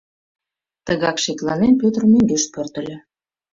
Тыгак шекланен, Пӧтыр мӧҥгеш пӧртыльӧ.